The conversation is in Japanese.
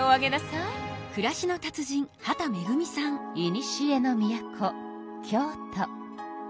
いにしえの都京都。